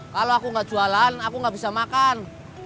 kalau aku enggak jualan aku enggak bisa makan